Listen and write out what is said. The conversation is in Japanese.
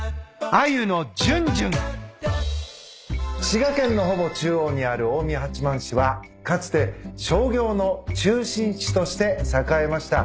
滋賀県のほぼ中央にある近江八幡市はかつて商業の中心地として栄えました。